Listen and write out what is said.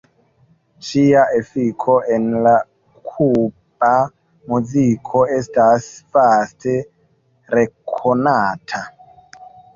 Ŝia efiko en la kuba muziko estas vaste rekonata.